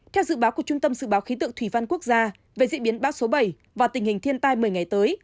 theo dự báo của trung tâm dự báo khí tượng thủy văn quốc gia về diễn biến bão số bảy và tình hình thiên tai một mươi ngày tới